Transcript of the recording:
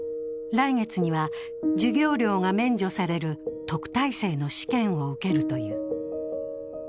来月には授業料が免除される特待生の試験を受けるという。